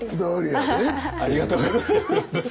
ありがとうございます。